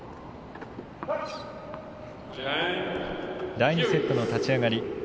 第２セットの立ち上がり